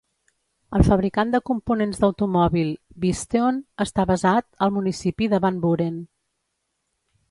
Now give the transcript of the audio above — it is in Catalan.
El fabricant de components d'automòbil, Visteon, està basat al municipi de Van Buren.